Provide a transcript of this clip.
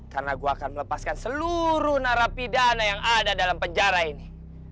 karena gua akan melepaskan seluruh narapidana yang ada dalam penjara ini